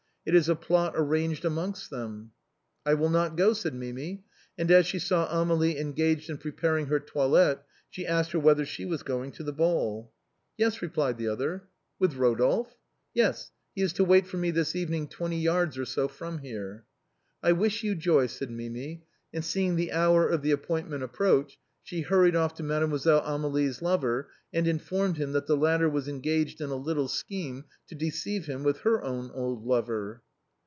It is a plot arranged amongst them." " I will not go," said Mimi, and as she saw Amélie engaged in prearranging her toilette, she asked her whether she was going to the ball. " Yes," replied the other. "With Eodolphe?" " Yes ; he is to wait for me this evening twenty yards or so from here." " I wish you joy," said Mimi, and seeing the hour of the appointment approach, she hurried off to Mademoiselle Amélie's lover, and informed him that the latter was en gaged in a little scheme to deceive him with her own old lover.